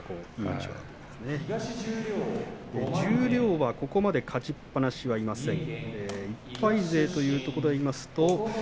十両は、ここまで勝ちっぱなしはいません。